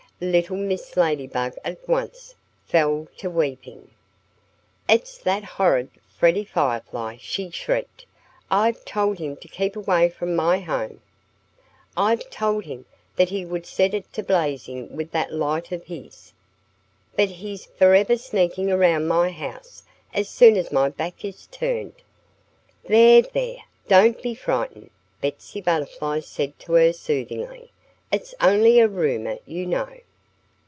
Little Mrs. Ladybug at once fell to weeping. "It's that horrid Freddie Firefly!" she shrieked. "I've told him to keep away from my home. I've told him that he would set it to blazing with that light of his. But he's forever sneaking around my house as soon as my back is turned." "There, there! Don't be frightened!" Betsy Butterfly said to her soothingly. "It's only a rumor, you know."